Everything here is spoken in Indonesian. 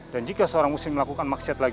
dan jika seorang muslim melakukan maksiat lagi